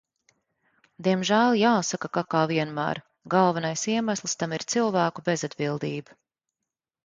Diemžēl jāsaka, ka, kā vienmēr, galvenais iemesls tam ir cilvēku bezatbildība.